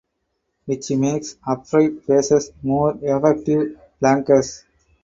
Which makes upright faces more effective flankers.